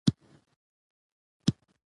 هغه یو رسېدلی او هوښیار ځوان دی.